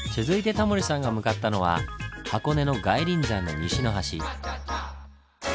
続いてタモリさんが向かったのは箱根の外輪山の西の端。